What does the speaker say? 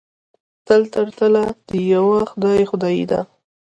تل تر تله د یوه خدای خدایي ده.